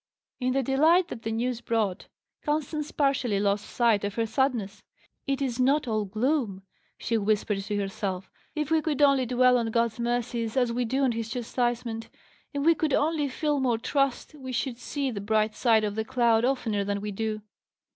In the delight that the news brought, Constance partially lost sight of her sadness. "It is not all gloom," she whispered to herself. "If we could only dwell on God's mercies as we do on His chastisement; if we could only feel more trust, we should see the bright side of the cloud oftener than we do."